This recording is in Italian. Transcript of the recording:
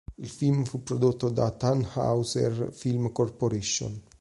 Il film fu prodotto da Thanhouser Film Corporation.